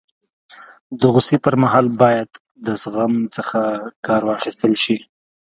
د غوصي پر مهال باید د زغم څخه کار واخستل سي.